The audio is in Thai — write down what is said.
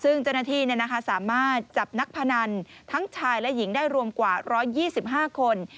ซึ่งเจ้าหน้าที่เนี่ยนะคะสามารถจับนักพนันทั้งชายและหญิงได้รวมกว่าร้อยยี่สิบห้าคน